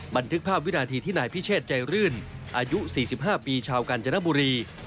บันทึกภาพวินาทีที่นายพิเชษใจรื่นอายุ๔๕ปีชาวกาญจนบุรี